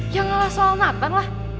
ya ngalah soal naban lah